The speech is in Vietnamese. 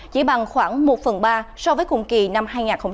chỉ bằng khoảng một phần ba so với cùng kỳ năm hai nghìn hai mươi hai